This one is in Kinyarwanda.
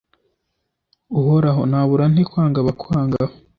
uhoraho, nabura nte kwanga abakwanga